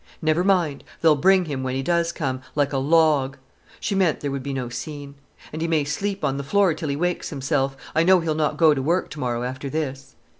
"Never mind. They'll bring him when he does come—like a log." She meant there would be no scene. "And he may sleep on the floor till he wakes himself. I know he'll not go to work tomorrow after this!"